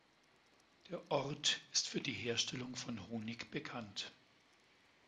Der Ort ist für die Herstellung von Honig bekannt.